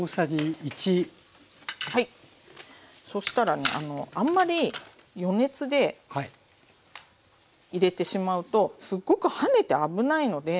そしたらねあんまり余熱で入れてしまうとすごくはねて危ないので。